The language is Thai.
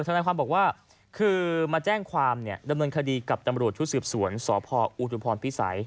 นายความบอกว่าคือมาแจ้งความเนี่ยดำเนินคดีกับตำรวจชุดสืบสวนสพอุทุพรพิสัย